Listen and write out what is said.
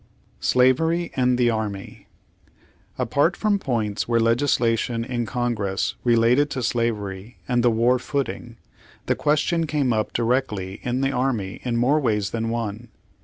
SLAVEHY AND THE ARMY Apart from points where legislation in Con gress related to slavery and the war footing, the question came up directly in the army in more ways than one.